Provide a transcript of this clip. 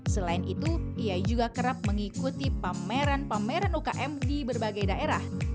selain itu ia juga kerap mengikuti pameran pameran ukm di berbagai daerah